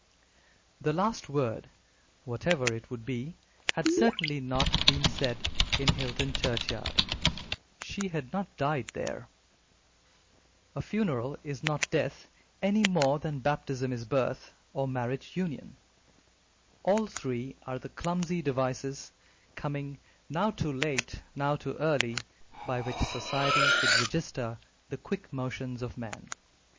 The last word whatever it would be had certainly not been said in Hilton churchyard. She had not died there. A funeral is not death, any more than baptism is birth or marriage union. All three are the clumsy devices, coming now too late, now too early, by which Society would register the quick motions of man.